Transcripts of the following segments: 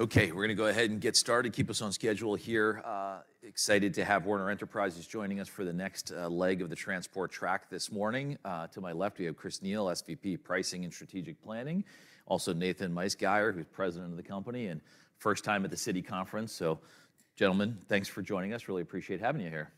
Okay, we're going to go ahead and get started. Keep us on schedule here. Excited to have Werner Enterprises joining us for the next leg of the transport track this morning. To my left, we have Chris Neil, SVP Pricing and Strategic Planning, also Nathan Meisgeier, who's president of the company and first time at the Citi conference. So, gentlemen, thanks for joining us. Really appreciate having you here.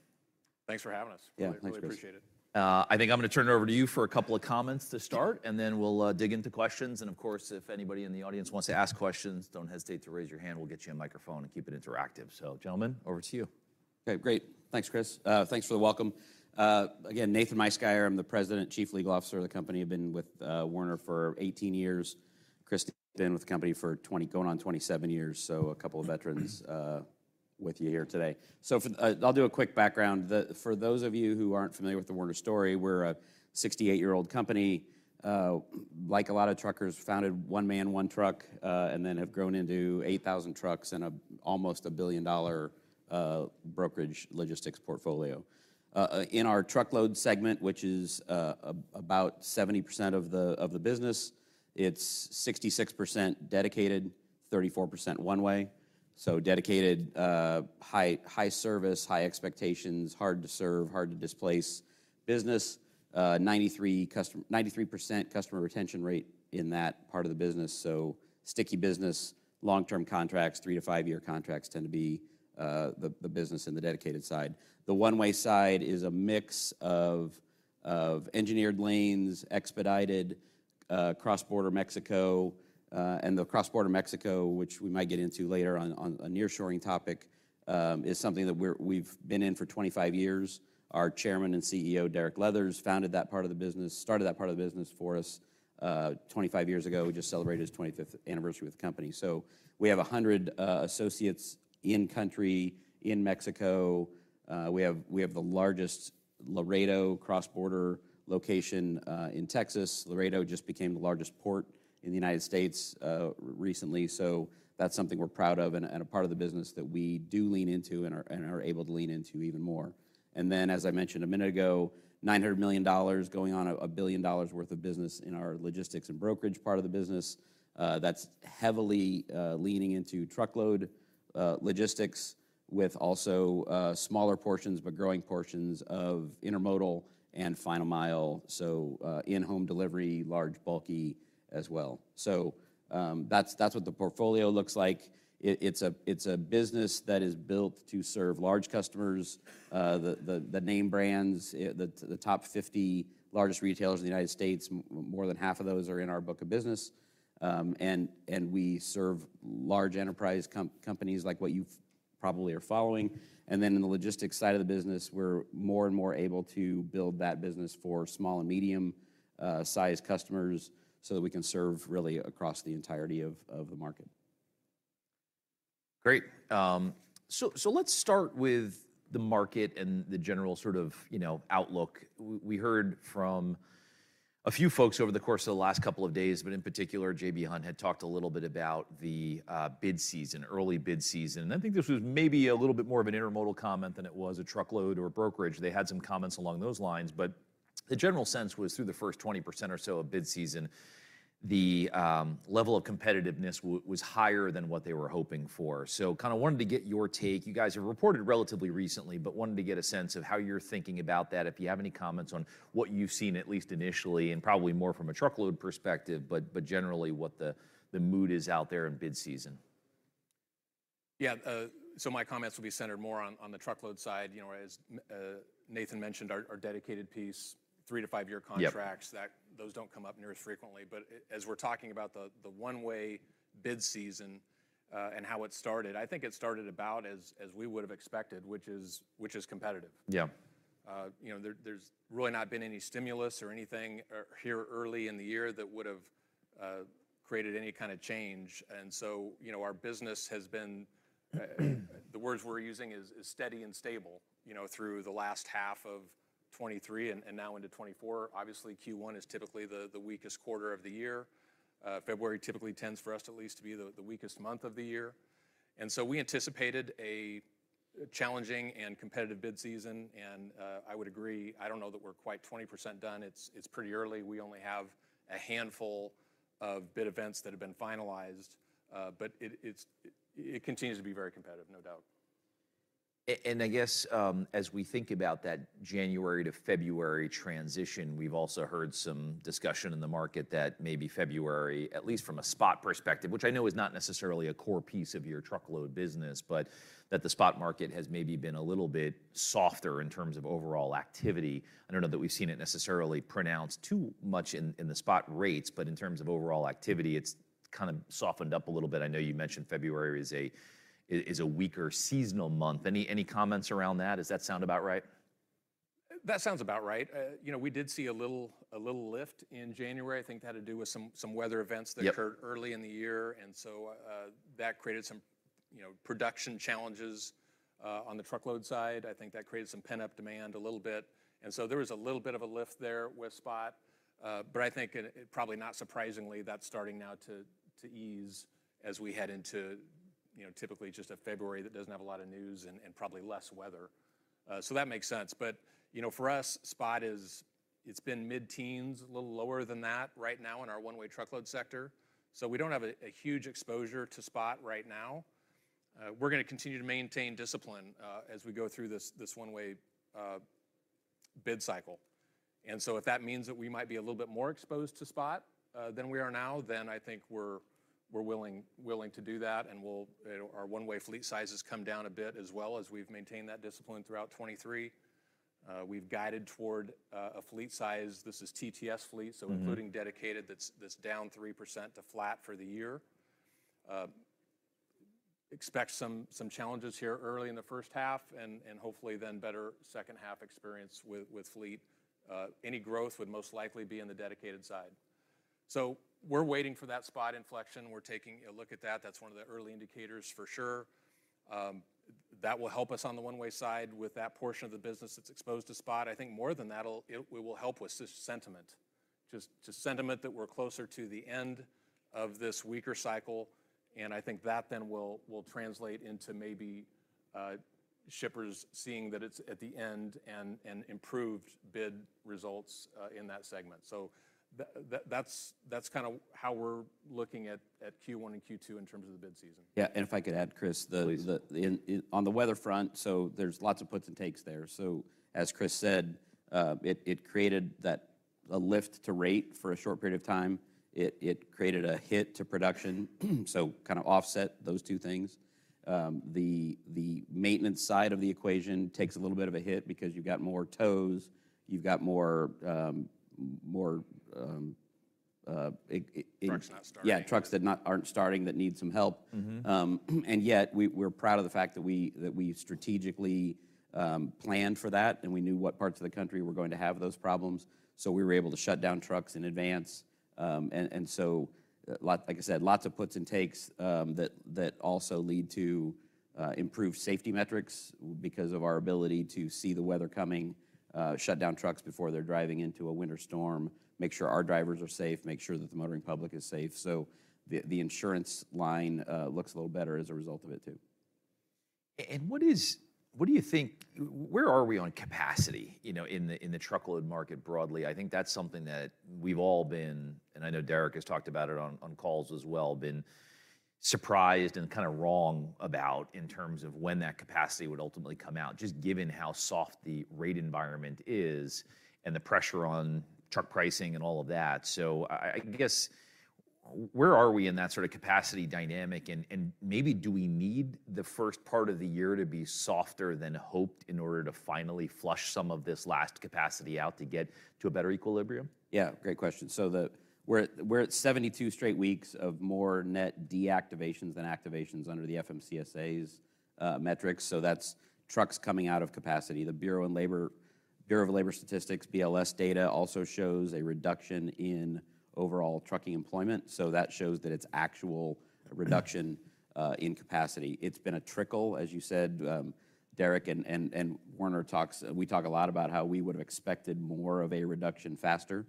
Thanks for having us. Yeah, pleasure. Really appreciate it. I think I'm going to turn it over to you for a couple of comments to start, and then we'll dig into questions. And of course, if anybody in the audience wants to ask questions, don't hesitate to raise your hand. We'll get you a microphone and keep it interactive. So, gentlemen, over to you. Okay, great. Thanks, Chris. Thanks for the welcome. Again, Nathan Meisgeier, I'm the President, Chief Legal Officer of the company. I've been with Werner for 18 years. Chris Neil's been with the company for 20 going on 27 years, so a couple of veterans with you here today. So, I'll do a quick background. For those of you who aren't familiar with the Werner story, we're a 68-year-old company, like a lot of truckers, founded one man, one truck, and then have grown into 8,000 trucks and almost a billion-dollar brokerage logistics portfolio. In our truckload segment, which is about 70% of the business, it's 66% dedicated, 34% one-way. So dedicated, high service, high expectations, hard to serve, hard to displace business, 93% customer retention rate in that part of the business. So sticky business, long-term contracts, three to five-year contracts tend to be the business in the dedicated side. The one-way side is a mix of engineered lanes, expedited, cross-border Mexico. And the cross-border Mexico, which we might get into later on, on a nearshoring topic, is something that we've been in for 25 years. Our Chairman and CEO, Derek Leathers, founded that part of the business, started that part of the business for us, 25 years ago. We just celebrated his 25th anniversary with the company. So we have 100 associates in country, in Mexico. We have the largest Laredo cross-border location in Texas. Laredo just became the largest port in the United States recently. So that's something we're proud of and a part of the business that we do lean into and are able to lean into even more. And then, as I mentioned a minute ago, $900 million going on $1 billion worth of business in our logistics and brokerage part of the business. That's heavily leaning into truckload logistics with also smaller portions but growing portions of intermodal and final mile. So, in-home delivery, large bulky as well. So, that's what the portfolio looks like. It's a business that is built to serve large customers. The name brands, the top 50 largest retailers in the United States, more than half of those are in our book of business. And we serve large enterprise companies like what you probably are following. And then in the logistics side of the business, we're more and more able to build that business for small and medium-sized customers so that we can serve really across the entirety of the market. Great. So let's start with the market and the general sort of, you know, outlook. We heard from a few folks over the course of the last couple of days, but in particular, J.B. Hunt had talked a little bit about the, bid season, early bid season. And I think this was maybe a little bit more of an intermodal comment than it was a truckload or brokerage. They had some comments along those lines, but the general sense was through the first 20% or so of bid season, the, level of competitiveness was higher than what they were hoping for. So kind of wanted to get your take. You guys have reported relatively recently, but wanted to get a sense of how you're thinking about that, if you have any comments on what you've seen, at least initially, and probably more from a truckload perspective, but generally what the mood is out there in bid season. Yeah, so my comments will be centered more on the truckload side. You know, as Nathan mentioned, our dedicated piece, three to five-year contracts, those don't come up near as frequently. But as we're talking about the one-way bid season and how it started, I think it started about as we would have expected, which is competitive. Yeah. You know, there's really not been any stimulus or anything here early in the year that would have created any kind of change. And so, you know, our business has been the words we're using is steady and stable, you know, through the last half of 2023 and now into 2024. Obviously, Q1 is typically the weakest quarter of the year. February typically tends for us at least to be the weakest month of the year. And so we anticipated a challenging and competitive bid season. And I would agree, I don't know that we're quite 20% done. It's pretty early. We only have a handful of bid events that have been finalized. But it continues to be very competitive, no doubt. And I guess as we think about that January to February transition, we've also heard some discussion in the market that maybe February, at least from a spot perspective, which I know is not necessarily a core piece of your truckload business, but that the spot market has maybe been a little bit softer in terms of overall activity. I don't know that we've seen it necessarily pronounced too much in the spot rates, but in terms of overall activity, it's kind of softened up a little bit. I know you mentioned February is a weaker seasonal month. Any comments around that? Does that sound about right? That sounds about right. You know, we did see a little lift in January. I think that had to do with some weather events that occurred early in the year. And so that created some, you know, production challenges on the truckload side. I think that created some pent-up demand a little bit. And so there was a little bit of a lift there with spot. But I think, probably not surprisingly, that's starting now to ease as we head into, you know, typically just a February that doesn't have a lot of news and probably less weather. So that makes sense. But, you know, for us, spot is it's been mid-teens, a little lower than that right now in our one-way truckload sector. So we don't have a huge exposure to spot right now. We're going to continue to maintain discipline as we go through this one-way bid cycle. So if that means that we might be a little bit more exposed to spot than we are now, then I think we're willing to do that. Our one-way fleet sizes come down a bit as well as we've maintained that discipline throughout 2023. We've guided toward a fleet size. This is TTS fleet, so including dedicated that's down 3% to flat for the year. Expect some challenges here early in the first half and hopefully then better second half experience with fleet. Any growth would most likely be in the dedicated side. We're waiting for that spot inflection. We're taking a look at that. That's one of the early indicators for sure. That will help us on the one-way side with that portion of the business that's exposed to spot. I think more than that, it will help with just sentiment, just sentiment that we're closer to the end of this weaker cycle. I think that then will translate into maybe shippers seeing that it's at the end and improved bid results in that segment. That's kind of how we're looking at Q1 and Q2 in terms of the bid season. Yeah, and if I could add, Chris, on the weather front, so there's lots of puts and takes there. So as Chris said, it created that a lift to rate for a short period of time. It created a hit to production, so kind of offset those two things. The maintenance side of the equation takes a little bit of a hit because you've got more tows. You've got more. Trucks not starting. Yeah, trucks that aren't starting that need some help. And yet we're proud of the fact that we strategically planned for that and we knew what parts of the country were going to have those problems. So we were able to shut down trucks in advance. And so, like I said, lots of puts and takes that also lead to improved safety metrics because of our ability to see the weather coming, shut down trucks before they're driving into a winter storm, make sure our drivers are safe, make sure that the motoring public is safe. So the insurance line looks a little better as a result of it too. And what do you think, where are we on capacity, you know, in the truckload market broadly? I think that's something that we've all been, and I know Derek has talked about it on calls as well, been surprised and kind of wrong about in terms of when that capacity would ultimately come out, just given how soft the rate environment is and the pressure on truck pricing and all of that. So I guess where are we in that sort of capacity dynamic? And maybe do we need the first part of the year to be softer than hoped in order to finally flush some of this last capacity out to get to a better equilibrium? Yeah, great question. So we're at 72 straight weeks of more net deactivations than activations under the FMCSA's metrics. So that's trucks coming out of capacity. The Bureau of Labor Statistics, BLS data, also shows a reduction in overall trucking employment. So that shows that it's actual reduction in capacity. It's been a trickle, as you said, Derek. And Werner talks we talk a lot about how we would have expected more of a reduction faster.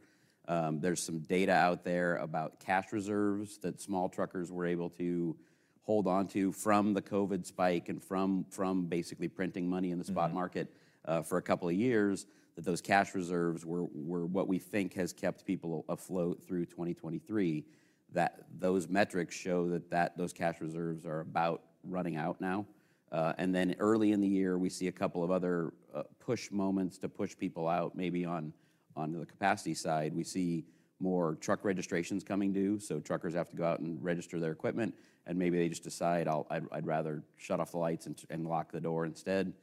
There's some data out there about cash reserves that small truckers were able to hold onto from the COVID spike and from basically printing money in the spot market for a couple of years, that those cash reserves were what we think has kept people afloat through 2023. Those metrics show that those cash reserves are about running out now. And then early in the year, we see a couple of other push moments to push people out maybe on the capacity side. We see more truck registrations coming due. So truckers have to go out and register their equipment. And maybe they just decide, I'd rather shut off the lights and lock the door instead.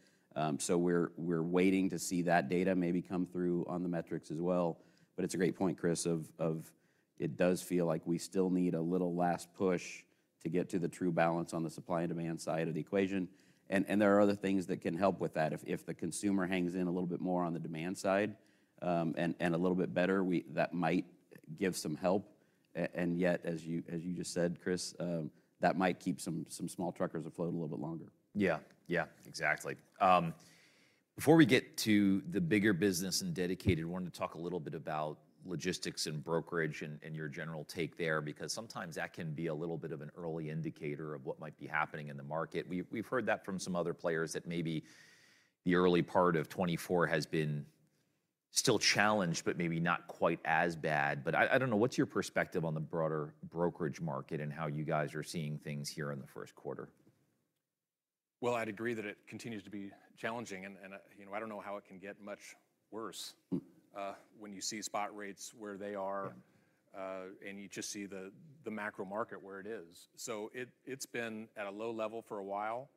So we're waiting to see that data maybe come through on the metrics as well. But it's a great point, Chris, of it does feel like we still need a little last push to get to the true balance on the supply and demand side of the equation. And there are other things that can help with that. If the consumer hangs in a little bit more on the demand side and a little bit better, that might give some help. And yet, as you just said, Chris, that might keep some small truckers afloat a little bit longer. Yeah, yeah, exactly. Before we get to the bigger business and dedicated, I wanted to talk a little bit about logistics and brokerage and your general take there because sometimes that can be a little bit of an early indicator of what might be happening in the market. We've heard that from some other players that maybe the early part of 2024 has been still challenged, but maybe not quite as bad. But I don't know. What's your perspective on the broader brokerage market and how you guys are seeing things here in the first quarter? Well, I'd agree that it continues to be challenging. I don't know how it can get much worse when you see spot rates where they are and you just see the macro market where it is. It's been at a low level for a while.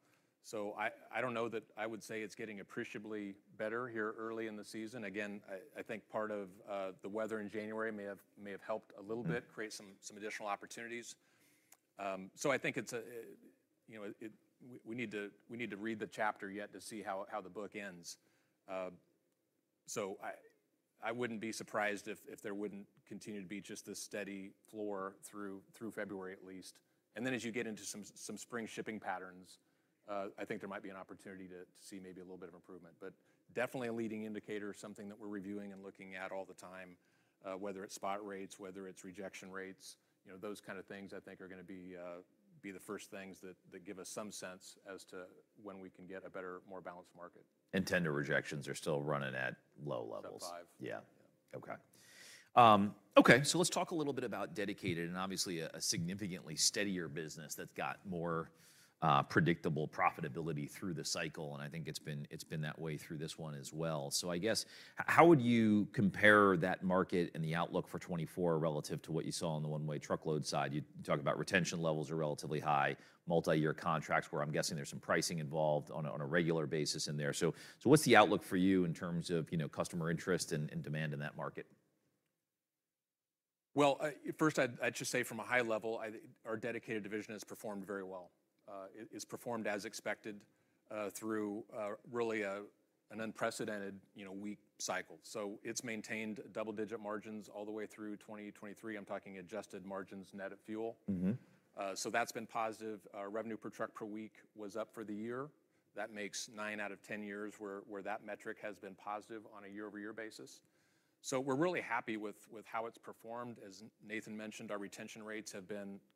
I don't know that I would say it's getting appreciably better here early in the season. Again, I think part of the weather in January may have helped a little bit, create some additional opportunities. I think we need to read the chapter yet to see how the book ends. I wouldn't be surprised if there wouldn't continue to be just this steady floor through February, at least. Then as you get into some spring shipping patterns, I think there might be an opportunity to see maybe a little bit of improvement. But definitely a leading indicator, something that we're reviewing and looking at all the time, whether it's spot rates, whether it's rejection rates, those kind of things I think are going to be the first things that give us some sense as to when we can get a better, more balanced market. Tender rejections are still running at low levels. Sub five. Yeah. OK. OK, so let's talk a little bit about dedicated and obviously a significantly steadier business that's got more predictable profitability through the cycle. And I think it's been that way through this one as well. So I guess how would you compare that market and the outlook for 2024 relative to what you saw on the one-way truckload side? You talk about retention levels are relatively high, multi-year contracts where I'm guessing there's some pricing involved on a regular basis in there. So what's the outlook for you in terms of customer interest and demand in that market? Well, first, I'd just say from a high level, our dedicated division has performed very well, has performed as expected through really an unprecedented weak cycle. So it's maintained double-digit margins all the way through 2023. I'm talking adjusted margins net at fuel. So that's been positive. Revenue per truck per week was up for the year. That makes nine out of 10 years where that metric has been positive on a year-over-year basis. So we're really happy with how it's performed. As Nathan mentioned, our retention rates have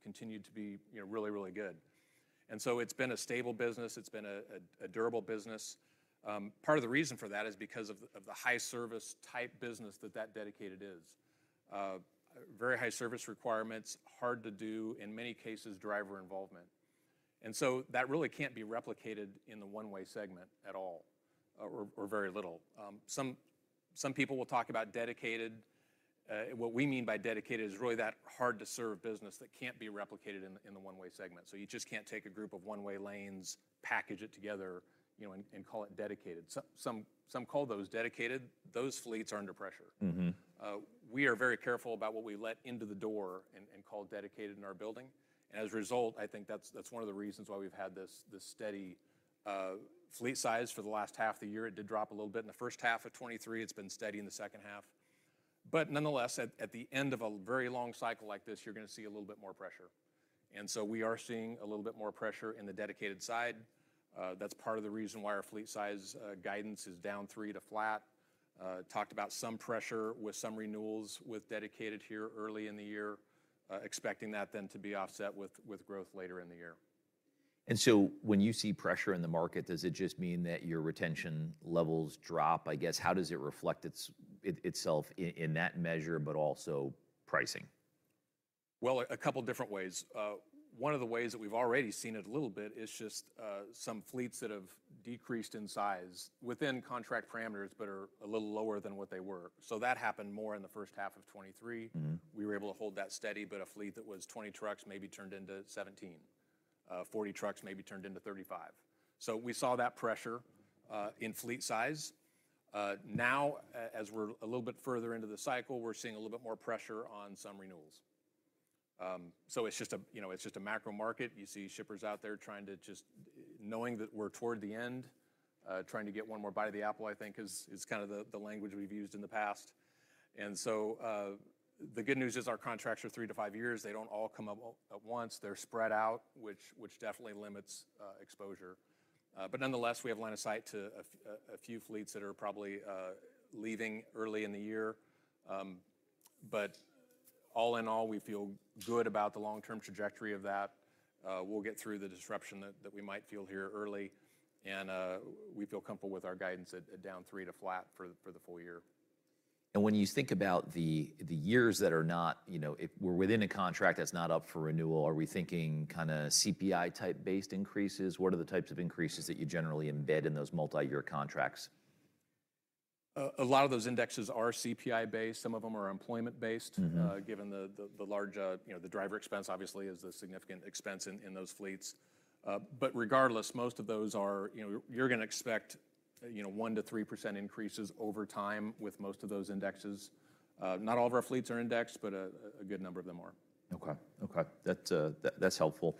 continued to be really, really good. And so it's been a stable business. It's been a durable business. Part of the reason for that is because of the high-service type business that that dedicated is. Very high service requirements, hard to do, in many cases, driver involvement. And so that really can't be replicated in the one-way segment at all or very little. Some people will talk about dedicated. What we mean by dedicated is really that hard-to-serve business that can't be replicated in the one-way segment. So you just can't take a group of one-way lanes, package it together, and call it dedicated. Some call those dedicated. Those fleets are under pressure. We are very careful about what we let into the door and call dedicated in our building. And as a result, I think that's one of the reasons why we've had this steady fleet size for the last half of the year. It did drop a little bit in the first half of 2023. It's been steady in the second half. But nonetheless, at the end of a very long cycle like this, you're going to see a little bit more pressure. So we are seeing a little bit more pressure in the dedicated side. That's part of the reason why our fleet size guidance is down three to flat. Talked about some pressure with some renewals with dedicated here early in the year, expecting that then to be offset with growth later in the year. And so when you see pressure in the market, does it just mean that your retention levels drop? I guess how does it reflect itself in that measure, but also pricing? Well, a couple of different ways. One of the ways that we've already seen it a little bit is just some fleets that have decreased in size within contract parameters but are a little lower than what they were. So that happened more in the first half of 2023. We were able to hold that steady, but a fleet that was 20 trucks maybe turned into 17, 40 trucks maybe turned into 35. So we saw that pressure in fleet size. Now, as we're a little bit further into the cycle, we're seeing a little bit more pressure on some renewals. So it's just a macro market. You see shippers out there trying to just knowing that we're toward the end, trying to get one more bite of the apple, I think, is kind of the language we've used in the past. So the good news is our contracts are three to five-years. They don't all come up at once. They're spread out, which definitely limits exposure. But nonetheless, we have line of sight to a few fleets that are probably leaving early in the year. But all in all, we feel good about the long-term trajectory of that. We'll get through the disruption that we might feel here early. And we feel comfortable with our guidance at down three to flat for the full year. When you think about the years that are not if we're within a contract that's not up for renewal, are we thinking kind of CPI-type based increases? What are the types of increases that you generally embed in those multi-year contracts? A lot of those indexes are CPI-based. Some of them are employment-based, given the large driver expense, obviously, is the significant expense in those fleets. But regardless, most of those, you're going to expect 1%-3% increases over time with most of those indexes. Not all of our fleets are indexed, but a good number of them are. OK, OK. That's helpful.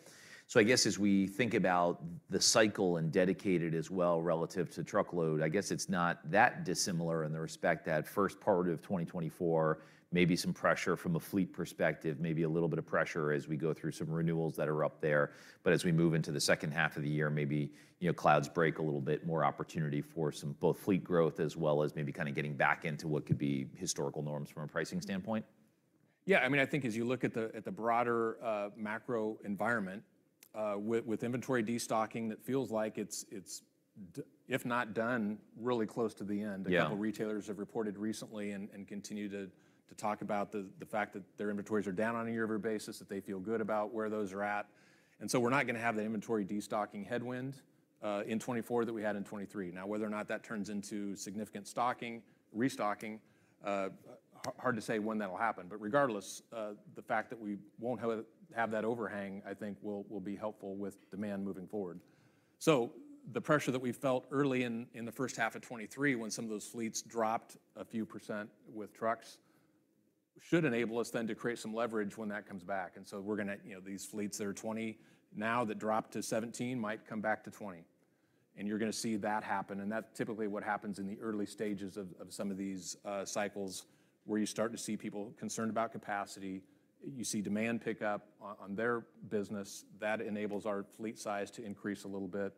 So I guess as we think about the cycle and dedicated as well relative to truckload, I guess it's not that dissimilar in the respect that first part of 2024, maybe some pressure from a fleet perspective, maybe a little bit of pressure as we go through some renewals that are up there. But as we move into the second half of the year, maybe clouds break a little bit, more opportunity for some both fleet growth as well as maybe kind of getting back into what could be historical norms from a pricing standpoint? Yeah, I mean, I think as you look at the broader macro environment with inventory destocking, that feels like it's, if not done, really close to the end. A couple of retailers have reported recently and continue to talk about the fact that their inventories are down on a year-over-year basis, that they feel good about where those are at. And so we're not going to have that inventory destocking headwind in 2024 that we had in 2023. Now, whether or not that turns into significant restocking, hard to say when that'll happen. But regardless, the fact that we won't have that overhang, I think, will be helpful with demand moving forward. So the pressure that we felt early in the first half of 2023 when some of those fleets dropped a few % with trucks should enable us then to create some leverage when that comes back. And so we're going to these fleets that are 20 now that dropped to 17 might come back to 20. And you're going to see that happen. And that's typically what happens in the early stages of some of these cycles where you start to see people concerned about capacity. You see demand pick up on their business. That enables our fleet size to increase a little bit.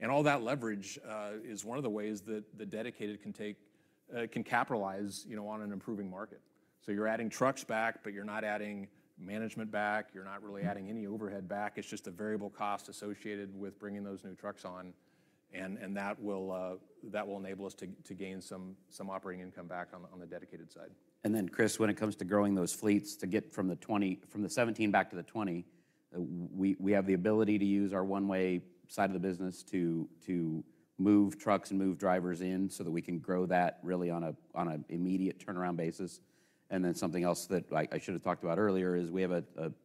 And all that leverage is one of the ways that the dedicated can capitalize on an improving market. So you're adding trucks back, but you're not adding management back. You're not really adding any overhead back. It's just a variable cost associated with bringing those new trucks on. And that will enable us to gain some operating income back on the dedicated side. And then, Chris, when it comes to growing those fleets to get from the 17 back to the 20, we have the ability to use our one-way side of the business to move trucks and move drivers in so that we can grow that really on an immediate turnaround basis. And then something else that I should have talked about earlier is we have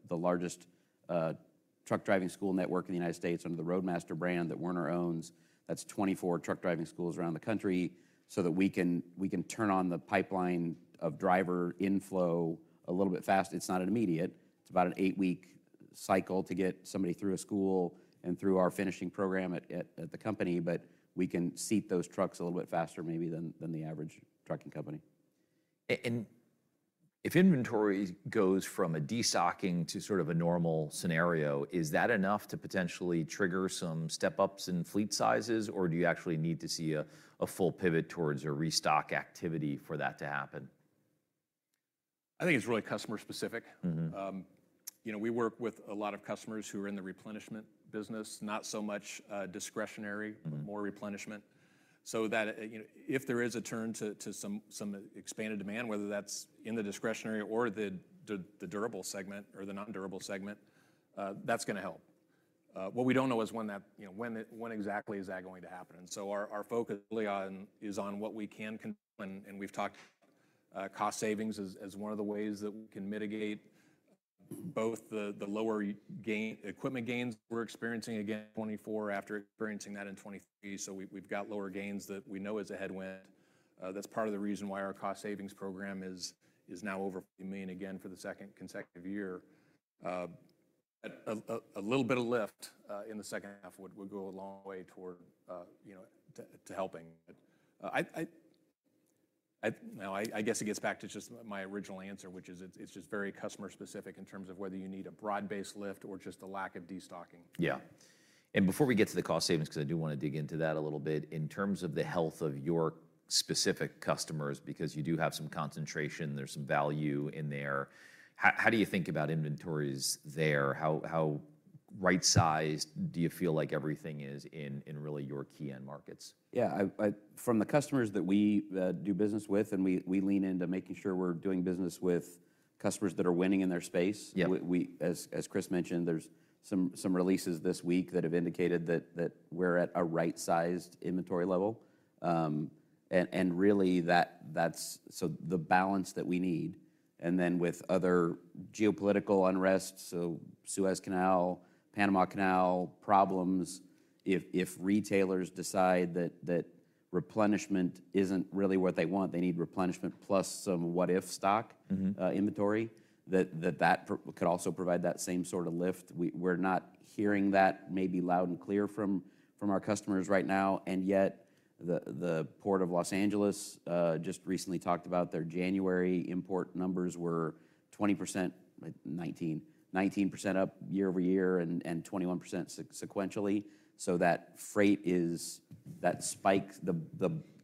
the largest truck driving school network in the United States under the Roadmaster brand that Werner owns. That's 24 truck driving schools around the country so that we can turn on the pipeline of driver inflow a little bit faster. It's not an immediate. It's about an eight-week cycle to get somebody through a school and through our finishing program at the company. But we can seat those trucks a little bit faster maybe than the average trucking company. If inventory goes from a destocking to sort of a normal scenario, is that enough to potentially trigger some step-ups in fleet sizes? Or do you actually need to see a full pivot towards a restock activity for that to happen? I think it's really customer-specific. We work with a lot of customers who are in the replenishment business, not so much discretionary, more replenishment. So that if there is a turn to some expanded demand, whether that's in the discretionary or the durable segment or the non-durable segment, that's going to help. What we don't know is when exactly is that going to happen. And so our focus really is on what we can control. And we've talked cost savings as one of the ways that we can mitigate both the lower equipment gains we're experiencing again 2024 after experiencing that in 2023. So we've got lower gains that we know is a headwind. That's part of the reason why our cost savings program is now over $40 million again for the second consecutive year. A little bit of lift in the second half would go a long way toward helping. Now, I guess it gets back to just my original answer, which is it's just very customer-specific in terms of whether you need a broad-based lift or just a lack of destocking. Yeah. Before we get to the cost savings, because I do want to dig into that a little bit, in terms of the health of your specific customers, because you do have some concentration. There's some value in there. How do you think about inventories there? How right-sized do you feel like everything is in really your key end markets? Yeah. From the customers that we do business with, and we lean into making sure we're doing business with customers that are winning in their space, as Chris mentioned, there's some releases this week that have indicated that we're at a right-sized inventory level. Really, that's so the balance that we need. Then with other geopolitical unrest, so Suez Canal, Panama Canal problems, if retailers decide that replenishment isn't really what they want, they need replenishment plus some what-if stock inventory, that could also provide that same sort of lift. We're not hearing that maybe loud and clear from our customers right now. And yet, the Port of Los Angeles just recently talked about their January import numbers were 20% 19% up year-over-year and 21% sequentially. So that freight is that spike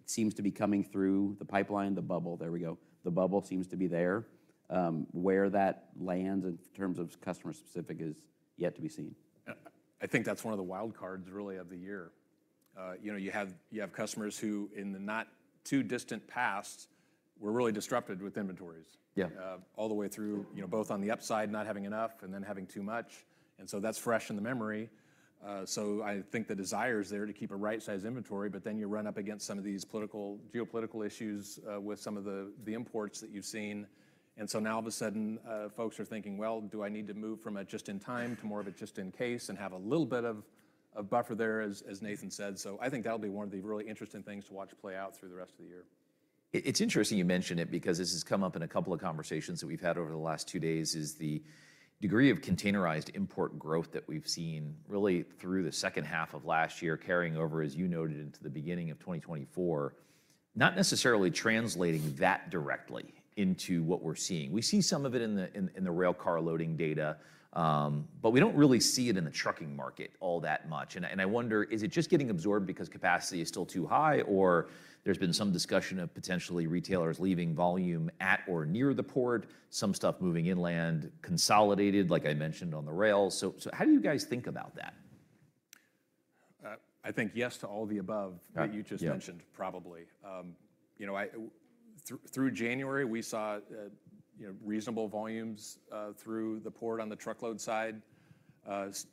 seems to be coming through the pipeline. The bubble there we go. The bubble seems to be there. Where that lands in terms of customer-specific is yet to be seen. I think that's one of the wild cards really of the year. You have customers who, in the not too distant past, were really disrupted with inventories all the way through both on the upside, not having enough, and then having too much. And so that's fresh in the memory. So I think the desire is there to keep a right-sized inventory. But then you run up against some of these geopolitical issues with some of the imports that you've seen. And so now, all of a sudden, folks are thinking, well, do I need to move from a just-in-time to more of a just-in-case and have a little bit of buffer there, as Nathan said? So I think that'll be one of the really interesting things to watch play out through the rest of the year. It's interesting you mention it because this has come up in a couple of conversations that we've had over the last two days, is the degree of containerized import growth that we've seen really through the second half of last year carrying over, as you noted, into the beginning of 2024, not necessarily translating that directly into what we're seeing. We see some of it in the railcar loading data. But we don't really see it in the trucking market all that much. And I wonder, is it just getting absorbed because capacity is still too high? Or there's been some discussion of potentially retailers leaving volume at or near the port, some stuff moving inland, consolidated, like I mentioned, on the rails. So how do you guys think about that? I think yes to all the above that you just mentioned, probably. Through January, we saw reasonable volumes through the port on the truckload side,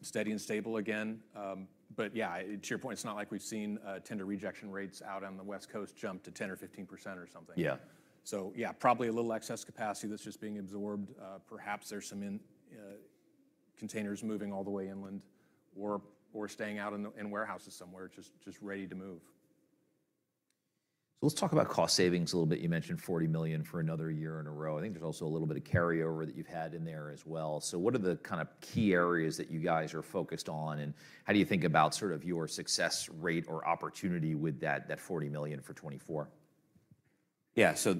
steady and stable again. But yeah, to your point, it's not like we've seen tender rejection rates out on the West Coast jump to 10% or 15% or something. Yeah, so yeah, probably a little excess capacity that's just being absorbed. Perhaps there's some containers moving all the way inland or staying out in warehouses somewhere, just ready to move. So let's talk about cost savings a little bit. You mentioned $40 million for another year in a row. I think there's also a little bit of carryover that you've had in there as well. So what are the kind of key areas that you guys are focused on? And how do you think about sort of your success rate or opportunity with that $40 million for 2024? Yeah, so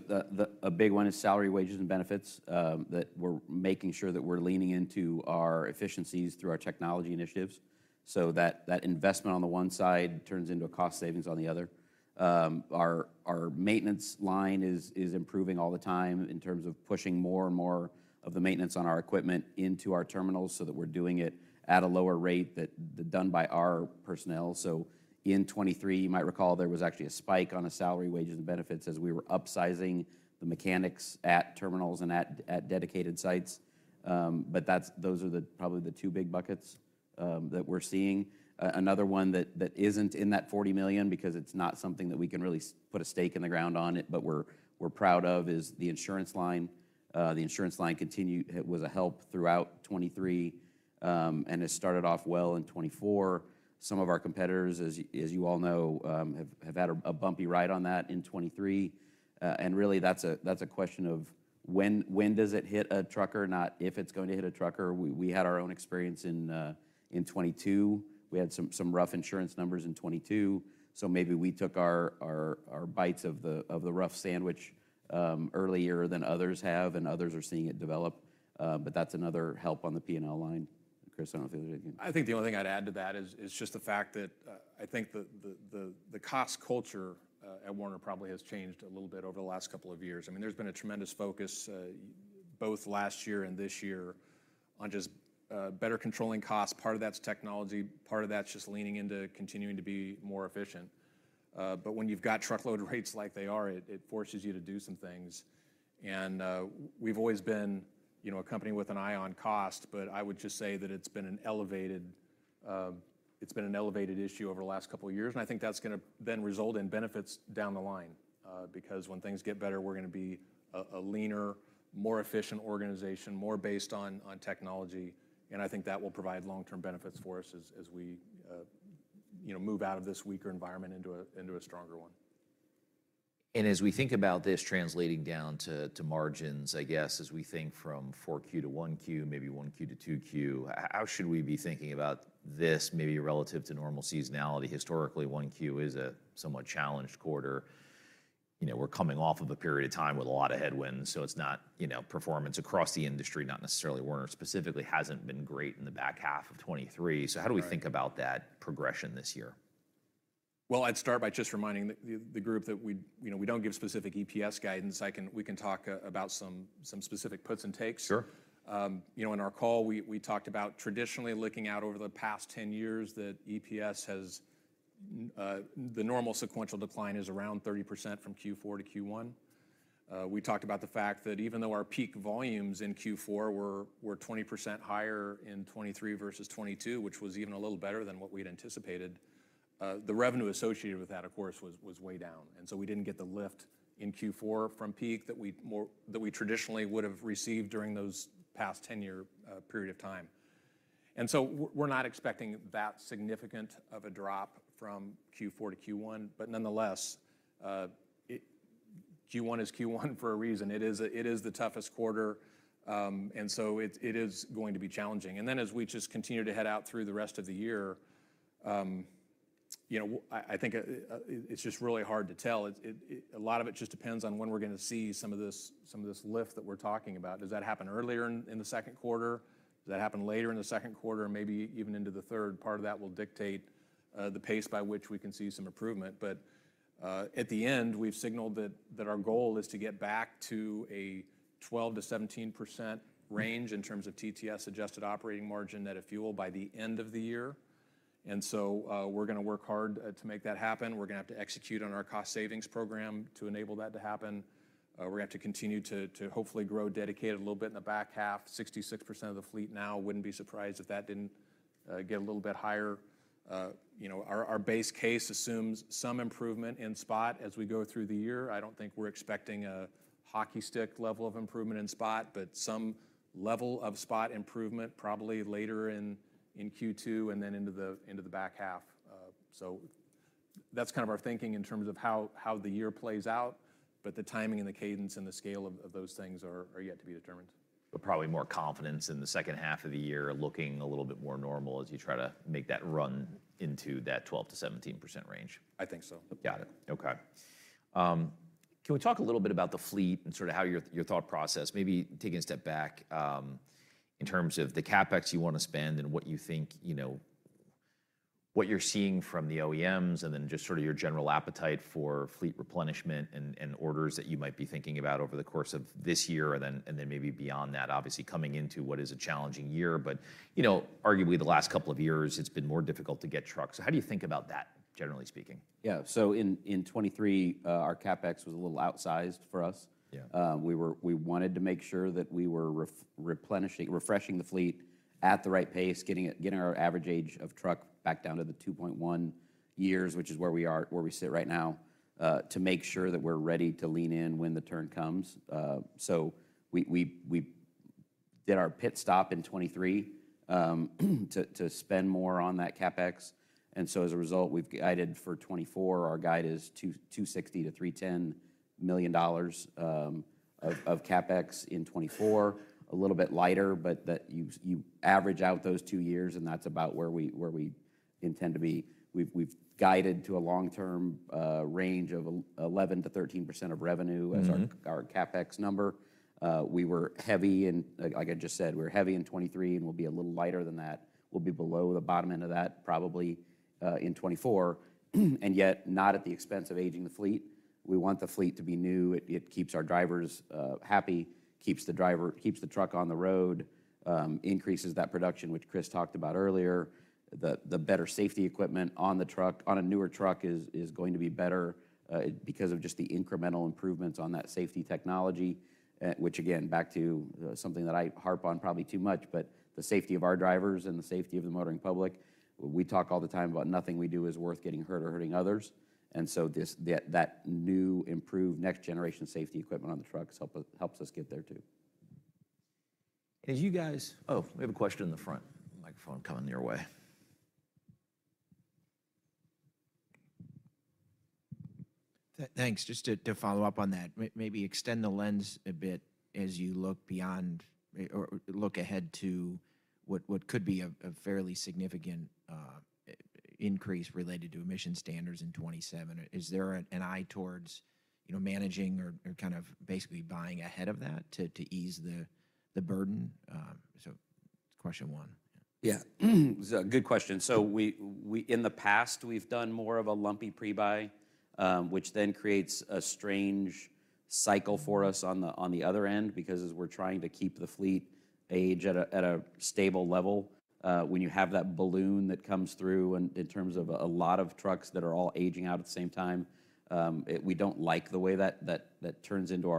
a big one is salary, wages, and benefits that we're making sure that we're leaning into our efficiencies through our technology initiatives so that that investment on the one side turns into a cost savings on the other. Our maintenance line is improving all the time in terms of pushing more and more of the maintenance on our equipment into our terminals so that we're doing it at a lower rate than done by our personnel. So in 2023, you might recall, there was actually a spike on the salary, wages, and benefits as we were upsizing the mechanics at terminals and at dedicated sites. But those are probably the two big buckets that we're seeing. Another one that isn't in that $40 million because it's not something that we can really put a stake in the ground on it but we're proud of is the insurance line. The insurance line was a help throughout 2023 and has started off well in 2024. Some of our competitors, as you all know, have had a bumpy ride on that in 2023. And really, that's a question of when does it hit a trucker, not if it's going to hit a trucker. We had our own experience in 2022. We had some rough insurance numbers in 2022. So maybe we took our bites of the rough sandwich earlier than others have. And others are seeing it develop. But that's another help on the P&L line. Chris, I don't know if you have anything to add. I think the only thing I'd add to that is just the fact that I think the cost culture at Werner probably has changed a little bit over the last couple of years. I mean, there's been a tremendous focus both last year and this year on just better controlling costs. Part of that's technology. Part of that's just leaning into continuing to be more efficient. But when you've got truckload rates like they are, it forces you to do some things. And we've always been a company with an eye on cost. But I would just say that it's been an elevated issue over the last couple of years. And I think that's going to then result in benefits down the line because when things get better, we're going to be a leaner, more efficient organization, more based on technology. I think that will provide long-term benefits for us as we move out of this weaker environment into a stronger one. As we think about this translating down to margins, I guess, as we think from 4Q to 1Q, maybe 1Q to 2Q, how should we be thinking about this maybe relative to normal seasonality? Historically, 1Q is a somewhat challenged quarter. We're coming off of a period of time with a lot of headwinds. So it's not performance across the industry, not necessarily Werner specifically, hasn't been great in the back half of 2023. So how do we think about that progression this year? Well, I'd start by just reminding the group that we don't give specific EPS guidance. We can talk about some specific puts and takes. In our call, we talked about traditionally looking out over the past 10 years that EPS has the normal sequential decline is around 30% from Q4 to Q1. We talked about the fact that even though our peak volumes in Q4 were 20% higher in 2023 versus 2022, which was even a little better than what we had anticipated, the revenue associated with that, of course, was way down. And so we didn't get the lift in Q4 from peak that we traditionally would have received during those past 10-year period of time. And so we're not expecting that significant of a drop from Q4 to Q1. But nonetheless, Q1 is Q1 for a reason. It is the toughest quarter. And so it is going to be challenging. And then, as we just continue to head out through the rest of the year, I think it's just really hard to tell. A lot of it just depends on when we're going to see some of this lift that we're talking about. Does that happen earlier in the second quarter? Does that happen later in the second quarter? Maybe even into the third. Part of that will dictate the pace by which we can see some improvement. But at the end, we've signaled that our goal is to get back to a 12%-17% range in terms of TTS, adjusted operating margin net of fuel, by the end of the year. And so we're going to work hard to make that happen. We're going to have to execute on our cost savings program to enable that to happen. We're going to have to continue to hopefully grow dedicated a little bit in the back half. 66% of the fleet now. Wouldn't be surprised if that didn't get a little bit higher. Our base case assumes some improvement in spot as we go through the year. I don't think we're expecting a hockey stick level of improvement in spot, but some level of spot improvement probably later in Q2 and then into the back half. So that's kind of our thinking in terms of how the year plays out. But the timing and the cadence and the scale of those things are yet to be determined. Probably more confidence in the second half of the year looking a little bit more normal as you try to make that run into that 12%-17% range. I think so. Got it. OK. Can we talk a little bit about the fleet and sort of how your thought process maybe taking a step back in terms of the CapEx you want to spend and what you think what you're seeing from the OEMs and then just sort of your general appetite for fleet replenishment and orders that you might be thinking about over the course of this year and then maybe beyond that, obviously, coming into what is a challenging year. But arguably, the last couple of years, it's been more difficult to get trucks. So how do you think about that, generally speaking? Yeah, so in 2023, our CapEx was a little outsized for us. We wanted to make sure that we were refreshing the fleet at the right pace, getting our average age of truck back down to the 2.1 years, which is where we sit right now, to make sure that we're ready to lean in when the turn comes. So we did our pit stop in 2023 to spend more on that CapEx. As a result, we've guided for 2024, our guide is $260 million-$310 million of CapEx in 2024, a little bit lighter. But you average out those two years, and that's about where we intend to be. We've guided to a long-term range of 11%-13% of revenue as our CapEx number. We were heavy and, like I just said, we were heavy in 2023 and will be a little lighter than that. We'll be below the bottom end of that probably in 2024, and yet not at the expense of aging the fleet. We want the fleet to be new. It keeps our drivers happy, keeps the truck on the road, increases that production, which Chris talked about earlier. The better safety equipment on the truck, on a newer truck, is going to be better because of just the incremental improvements on that safety technology, which, again, back to something that I harp on probably too much, but the safety of our drivers and the safety of the motoring public. We talk all the time about nothing we do is worth getting hurt or hurting others. And so that new, improved next-generation safety equipment on the trucks helps us get there, too. And as you guys, oh, we have a question in the front microphone coming your way. Thanks. Just to follow up on that, maybe extend the lens a bit as you look beyond or look ahead to what could be a fairly significant increase related to emission standards in 2027. Is there an eye towards managing or kind of basically buying ahead of that to ease the burden? So question one. Yeah, it's a good question. So in the past, we've done more of a lumpy prebuy, which then creates a strange cycle for us on the other end because as we're trying to keep the fleet age at a stable level, when you have that balloon that comes through in terms of a lot of trucks that are all aging out at the same time, we don't like the way that turns into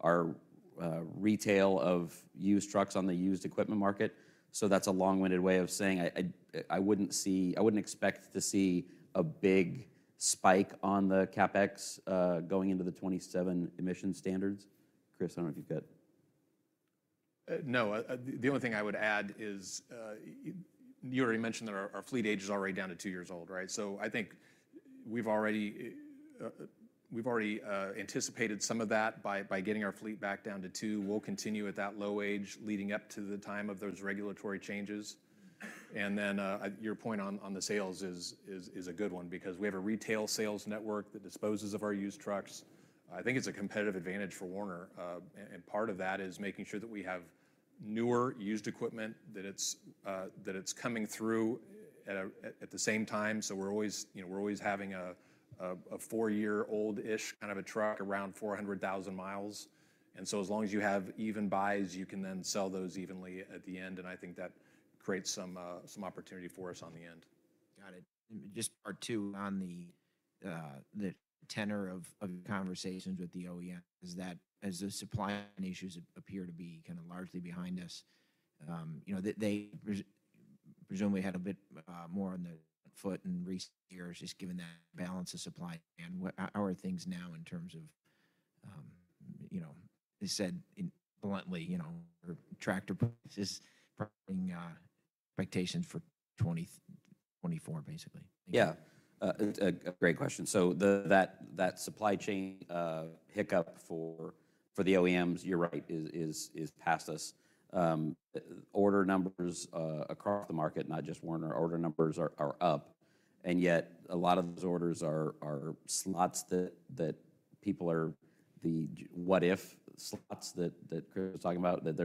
our retail of used trucks on the used equipment market. So that's a long-winded way of saying I wouldn't expect to see a big spike on the CapEx going into the 2027 emission standards. Chris, I don't know if you've got. No, the only thing I would add is you already mentioned that our fleet age is already down to two years old, right? So I think we've already anticipated some of that by getting our fleet back down to two. We'll continue at that low age leading up to the time of those regulatory changes. And then your point on the sales is a good one because we have a retail sales network that disposes of our used trucks. I think it's a competitive advantage for Werner. And part of that is making sure that we have newer used equipment that it's coming through at the same time. So we're always having a four-year-old-ish kind of a truck around 400,000 miles. And so as long as you have even buys, you can then sell those evenly at the end. I think that creates some opportunity for us on the end. Got it. And just part two on the tenor of your conversations with the OEM is that as the supply chain issues appear to be kind of largely behind us, they presumably had a bit more on the back foot in recent years just given that imbalance of supply. And how are things now in terms of, to say bluntly, tractor purchases probably expectations for 2024, basically? Yeah, great question. So that supply chain hiccup for the OEMs, you're right, is past us. Order numbers across the market, not just Werner, order numbers are up. And yet a lot of those orders are slots that people are the what-if slots that Chris was talking about, that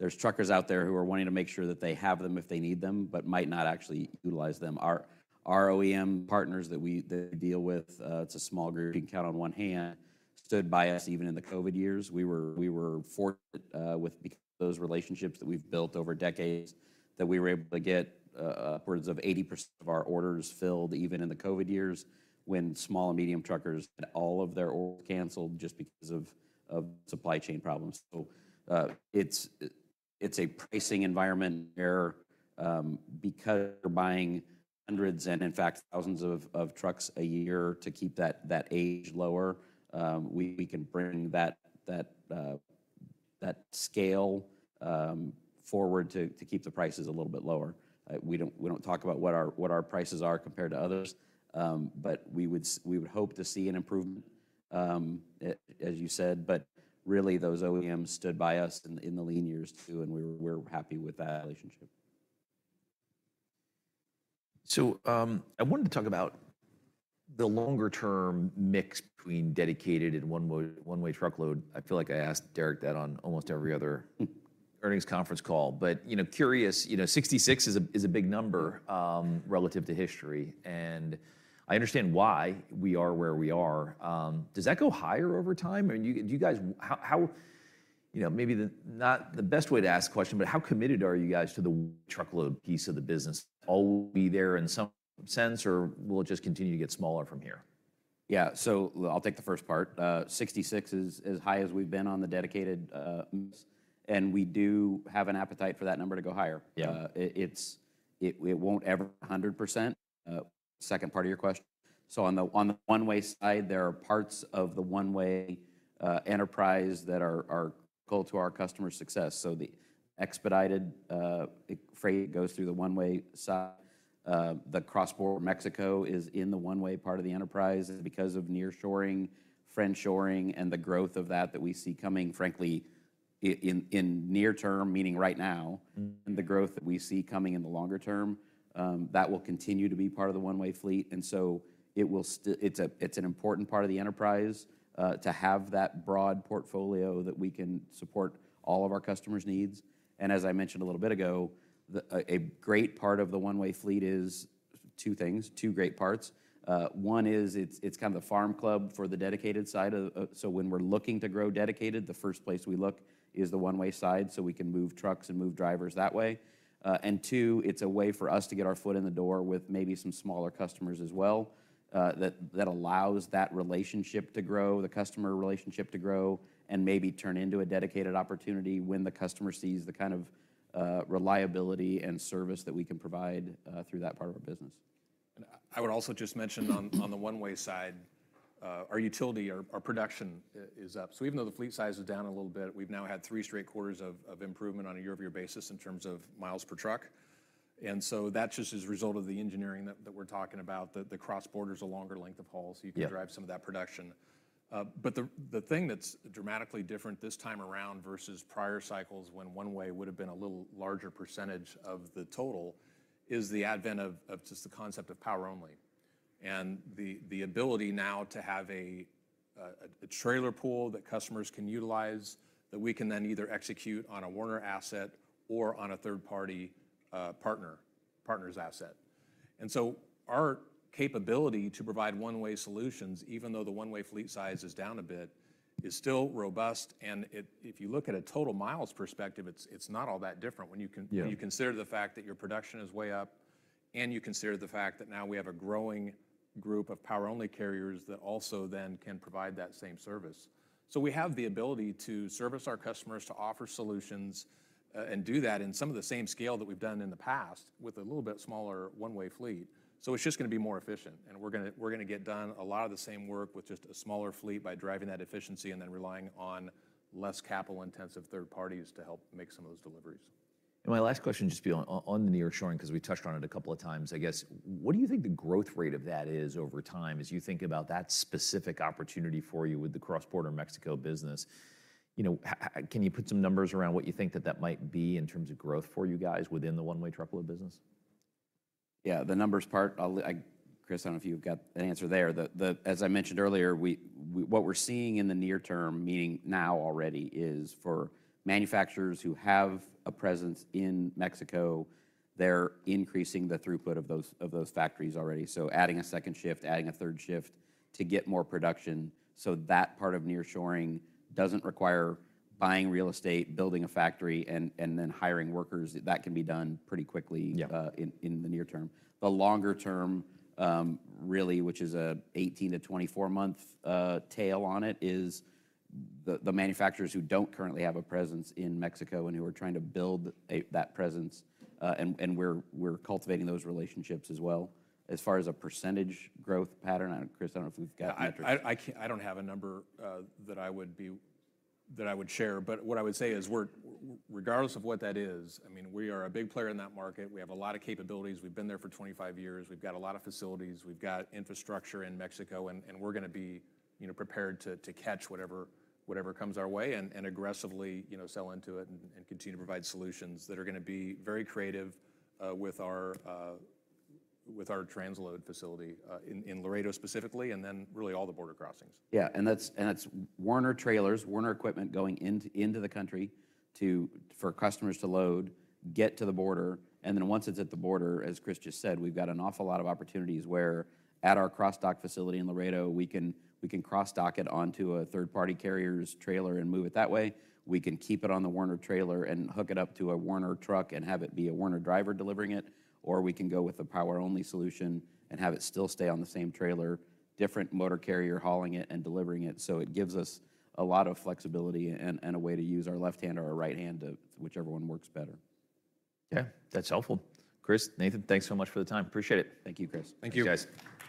there's truckers out there who are wanting to make sure that they have them if they need them but might not actually utilize them. Our OEM partners that we deal with, it's a small group you can count on one hand, stood by us even in the COVID years. We were fortunate with those relationships that we've built over decades that we were able to get upwards of 80% of our orders filled even in the COVID years when small and medium truckers had all of their orders canceled just because of supply chain problems. So it's a pricing environment there. Because we're buying hundreds and, in fact, thousands of trucks a year to keep that age lower, we can bring that scale forward to keep the prices a little bit lower. We don't talk about what our prices are compared to others. But we would hope to see an improvement, as you said. But really, those OEMs stood by us in the lean years, too. And we're happy with that relationship. So I wanted to talk about the longer-term mix between dedicated and one-way truckload. I feel like I asked Derek that on almost every other earnings conference call. But curious, 66 is a big number relative to history. And I understand why we are where we are. Does that go higher over time? And do you guys, maybe not the best way to ask the question, but how committed are you guys to the truckload piece of the business? Will we be there in some sense, or will it just continue to get smaller from here? Yeah, so I'll take the first part. 66 is as high as we've been on the dedicated mix. And we do have an appetite for that number to go higher. It won't ever be 100%, second part of your question. So on the one-way side, there are parts of the one-way enterprise that are cold to our customer's success. So the expedited freight goes through the one-way side. The cross-border Mexico is in the one-way part of the enterprise. Because of nearshoring, friendshoring, and the growth of that that we see coming, frankly, in near term, meaning right now, and the growth that we see coming in the longer term, that will continue to be part of the one-way fleet. And so it's an important part of the enterprise to have that broad portfolio that we can support all of our customers' needs. And as I mentioned a little bit ago, a great part of the one-way fleet is two things, two great parts. One is it's kind of the farm club for the dedicated side. So when we're looking to grow dedicated, the first place we look is the one-way side so we can move trucks and move drivers that way. And two, it's a way for us to get our foot in the door with maybe some smaller customers as well that allows that relationship to grow, the customer relationship to grow, and maybe turn into a dedicated opportunity when the customer sees the kind of reliability and service that we can provide through that part of our business. I would also just mention on the one-way side, our utility, our production is up. So even though the fleet size is down a little bit, we've now had three straight quarters of improvement on a year-over-year basis in terms of miles per truck. And so that just is a result of the engineering that we're talking about, the cross-borders are longer length of haul. So you can drive some of that production. But the thing that's dramatically different this time around versus prior cycles, when one-way would have been a little larger percentage of the total, is the advent of just the concept of power only and the ability now to have a trailer pool that customers can utilize that we can then either execute on a Werner asset or on a third-party partner's asset. Our capability to provide one-way solutions, even though the one-way fleet size is down a bit, is still robust. If you look at a total miles perspective, it's not all that different when you consider the fact that your production is way up and you consider the fact that now we have a growing group of power-only carriers that also then can provide that same service. We have the ability to service our customers, to offer solutions, and do that in some of the same scale that we've done in the past with a little bit smaller one-way fleet. It's just going to be more efficient. We're going to get done a lot of the same work with just a smaller fleet by driving that efficiency and then relying on less capital-intensive third parties to help make some of those deliveries. My last question would just be on the nearshoring because we touched on it a couple of times. I guess what do you think the growth rate of that is over time as you think about that specific opportunity for you with the cross-border Mexico business? Can you put some numbers around what you think that that might be in terms of growth for you guys within the one-way truckload business? Yeah, the numbers part, Chris, I don't know if you've got an answer there. As I mentioned earlier, what we're seeing in the near term, meaning now already, is for manufacturers who have a presence in Mexico, they're increasing the throughput of those factories already. So adding a second shift, adding a third shift to get more production. So that part of nearshoring doesn't require buying real estate, building a factory, and then hiring workers. That can be done pretty quickly in the near term. The longer term, really, which is an 18-24-month tail on it, is the manufacturers who don't currently have a presence in Mexico and who are trying to build that presence. And we're cultivating those relationships as well. As far as a percentage growth pattern, Chris, I don't know if we've got metrics. I don't have a number that I would share. But what I would say is regardless of what that is, I mean, we are a big player in that market. We have a lot of capabilities. We've been there for 25 years. We've got a lot of facilities. We've got infrastructure in Mexico. And we're going to be prepared to catch whatever comes our way and aggressively sell into it and continue to provide solutions that are going to be very creative with our transload facility in Laredo specifically and then really all the border crossings. Yeah, and that's Werner trailers, Werner equipment going into the country for customers to load, get to the border. And then once it's at the border, as Chris just said, we've got an awful lot of opportunities where at our cross-dock facility in Laredo, we can cross-dock it onto a third-party carrier's trailer and move it that way. We can keep it on the Werner trailer and hook it up to a Werner truck and have it be a Werner driver delivering it. Or we can go with the power-only solution and have it still stay on the same trailer, different motor carrier hauling it and delivering it. So it gives us a lot of flexibility and a way to use our left hand or our right hand, whichever one works better. Yeah, that's helpful. Chris, Nathan, thanks so much for the time. Appreciate it. Thank you, Chris. Thank you. Thanks, guys.